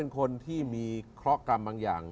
คนที่มีเคราะหกรรมบางอย่าง